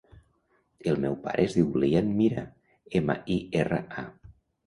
El meu pare es diu Lian Mira: ema, i, erra, a.